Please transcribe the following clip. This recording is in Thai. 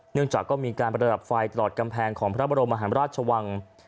เนื่องจากก็มีการประดับไฟตลอดกำแพงของพระบรมหาราชวัง